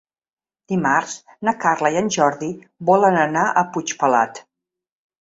Dimarts na Carla i en Jordi volen anar a Puigpelat.